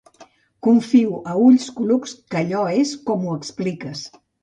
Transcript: Confio a a ulls clucs que allò és com ho expliques.